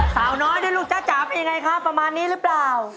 สาวน้อยนะลูกจ๊ะจ๋าเป็นยังไงครับประมาณนี้หรือเปล่า